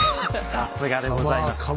さすがでございます。